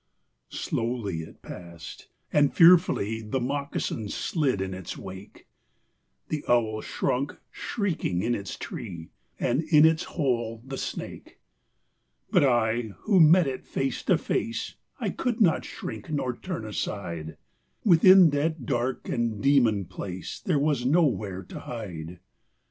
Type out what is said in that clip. Slowly it passed; and fearfully The moccasin slid in its wake; The owl shrunk shrieking in its tree; And in its hole the snake. But I, who met it face to face, I could not shrink nor turn aside: Within that dark and demon place There was nowhere to hide.